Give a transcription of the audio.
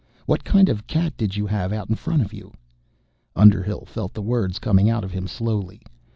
What kind of cat did you have out in front of you?" Underhill felt the words coming out of him slowly.